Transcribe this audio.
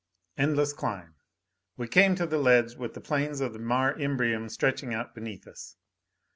Endless climb. We came to the ledge with the plains of the Mare Imbrium stretching out beneath us.